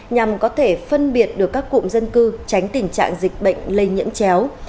nhằm có thể phân biệt được các cụm dân cư tránh tình trạng dịch bệnh lây nhiễm chéo